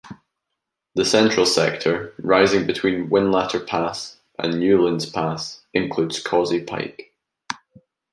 The central sector, rising between Whinlatter Pass and Newlands Pass, includes Causey Pike.